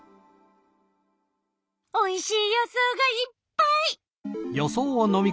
おいしい予想がいっぱい！